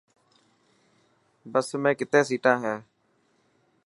بس ۾ ڪتي سيٽان هي.